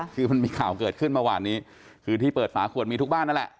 คือมันมีข่าวเกิดขึ้นเมื่อวานนี้คือที่เปิดฝาขวดมีทุกบ้านนั่นแหละ